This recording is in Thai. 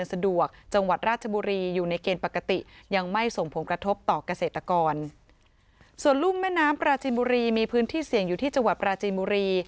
ส่วนลุ่มแม่น้ำปราจินบุรีมีพื้นที่เสี่ยงอยู่ที่จังหวัดปราจีนบุรี